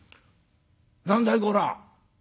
何だいこら。